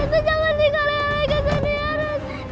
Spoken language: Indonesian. tante jangan tinggalin alika sendiri